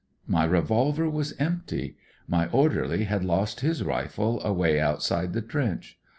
My revolver was empty. My orderly had lost nis rifle away outside the trench.